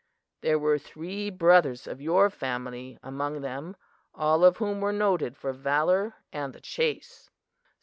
There were three brothers of your family among them, all of whom were noted for valor and the chase.